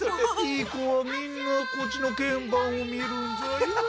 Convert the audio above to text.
いい子はみんなこっちのけん盤を見るんじゃよ。